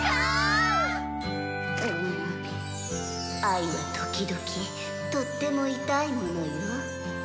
愛は時々とっても痛いものよ。